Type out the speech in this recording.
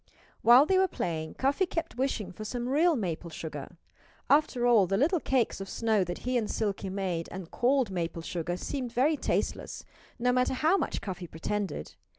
While they were playing Cuffy kept wishing for some real maple sugar. After all, the little cakes of snow that he and Silkie made and called maple sugar seemed very tasteless, no matter how much Cuffy pretended.